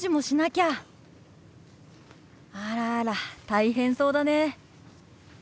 あらあら大変そうだね。